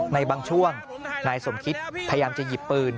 ในบางช่วงนายสมคิตพยายามจะหยิบปืน